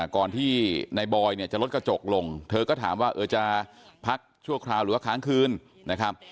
ก่อนที่นายบอยเนี่ยจะลดกระจกลงเธอก็ถามว่าจะพักชั่วคราวหรือว่าค้างคืนนะครับ